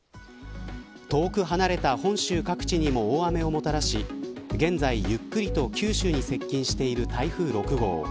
遠く離れた本州各地にも大雨をもたらし現在ゆっくりと九州に接近している台風６号。